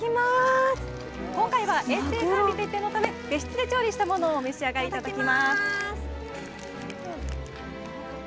今回は衛生管理徹底のため別室で調理したものをお召し上がりいただきます。